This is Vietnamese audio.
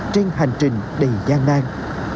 trên hành trình đầy gian nang